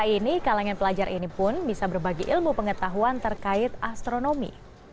kali ini kalangan pelajar ini pun bisa berbagi ilmu pengetahuan terkait astronomi